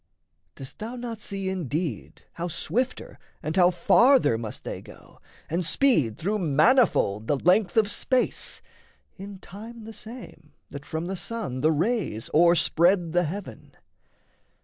Dost thou not see indeed How swifter and how farther must they go And speed through manifold the length of space In time the same that from the sun the rays O'erspread the heaven?